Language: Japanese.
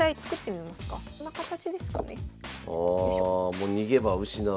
もう逃げ場失う。